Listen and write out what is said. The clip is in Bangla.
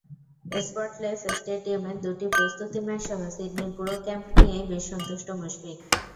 স্পটলেস স্টেডিয়ামের দুটি প্রস্তুতি ম্যাচসহ সিডনির পুরো ক্যাম্প নিয়েই বেশ সন্তুষ্ট মুশফিক।